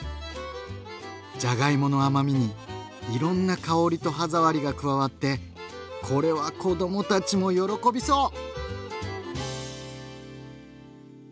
じゃがいもの甘みにいろんな香りと歯触りが加わってこれは子どもたちも喜びそう！